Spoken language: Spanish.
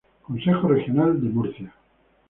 Consejo Regional de Murcia